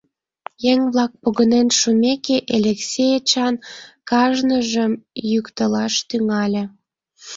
Еҥ-влак погынен шумеке, Элексей Эчан кажныжым йӱктылаш тӱҥале.